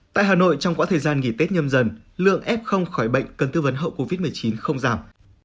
tại hà nội trong quãng thời gian nghỉ tết nhâm dần lượng f khỏi bệnh cần tư vấn hậu covid một mươi chín không giảm